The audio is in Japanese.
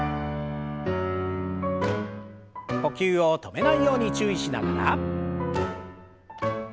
呼吸を止めないように注意しながら。